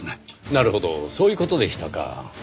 なるほどそういう事でしたか。